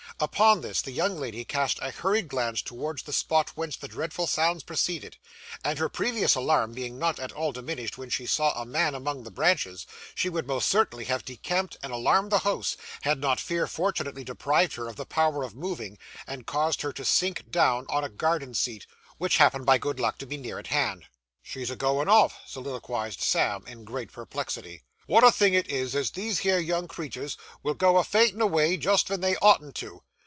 Upon this, the young lady cast a hurried glance towards the spot whence the dreadful sounds proceeded; and her previous alarm being not at all diminished when she saw a man among the branches, she would most certainly have decamped, and alarmed the house, had not fear fortunately deprived her of the power of moving, and caused her to sink down on a garden seat, which happened by good luck to be near at hand. 'She's a goin' off,' soliloquised Sam in great perplexity. 'Wot a thing it is, as these here young creeturs will go a faintin' avay just ven they oughtn't to.